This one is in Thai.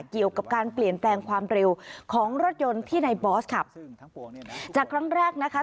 เกี่ยวกับการเปลี่ยนแปลงความเร็วของรถยนต์ที่ในบอสขับจากครั้งแรกนะคะ